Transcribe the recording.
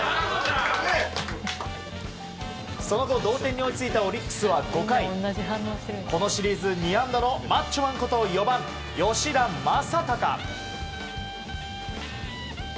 その後、同点に追いついたオリックスは５回このシリーズ２安打のマッチョマンこと４番、吉田正尚。